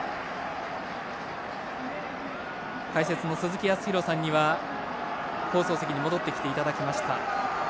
解説の鈴木康弘さんには放送席に戻ってきていただきました。